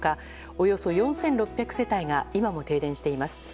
およそ４６００世帯が今も停電しています。